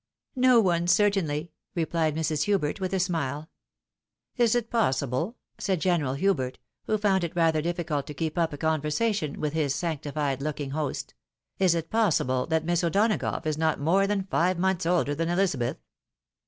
"No one, certainly," replied Mrs. Hubert, with a smile. " Is it possible !" said General Hubert, who found it rather difficult to keep up a conversation with his sanctified looking host ;" is it possible, that Miss O'Donagough is not more than five months older than Ehzabeth